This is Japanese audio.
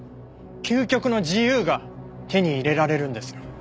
究極の自由が手に入れられるんですよ。